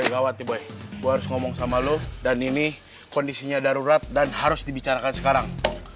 boy gawat nih boy gue harus ngomong sama lu dan ini kondisinya darurat dan harus dibicarakan sekarang